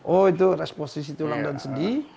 oh itu responsi tulang dan sendi